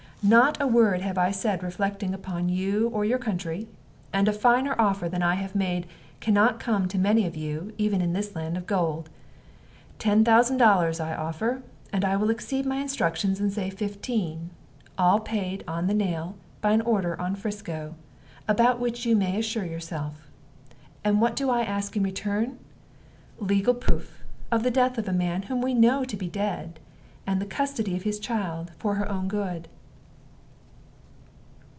Not a word have I said reflecting either upon you or your country; and a finer offer than I have made can not come to many of you, even in this land of gold. Ten thousand dollars I offer, and I will exceed my instructions and say fifteen, all paid on the nail by an order on Frisco, about which you may assure yourself. And what do I ask in return? Legal proof of the death of a man whom we know to be dead, and the custody of his child, for her own good."